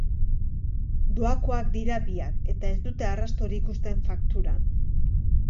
Doakoak dira biak, eta ez dute arrastorik uzten fakturan.